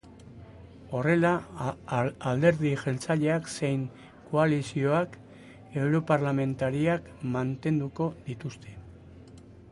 Horrela, alderdi jeltzaleak zein koalizioak europarlamentariak mantenduko dituzte.